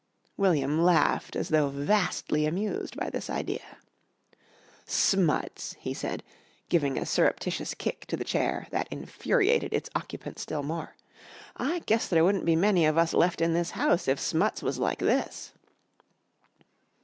William laughed as though vastly amused by this idea. "Smuts!" he said, giving a surreptitious kick to the chair that infuriated its occupant still more. "I guess there wouldn't be many of us left in this house if Smuts was like this."